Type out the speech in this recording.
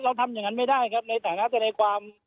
เราทำอย่างนั้นไม่ได้ครับในสถานการณ์ศาลความ